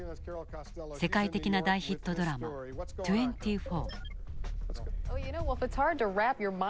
世界的な大ヒットドラマ「２４」。